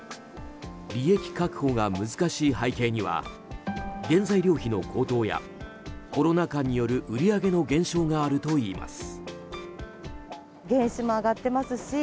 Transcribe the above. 利益確保が難しい背景には原材料費の高騰やコロナ禍による、売り上げの減少があるといいます。